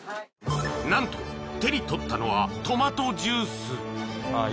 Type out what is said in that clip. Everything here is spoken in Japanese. ［何と手に取ったのはトマトジュース］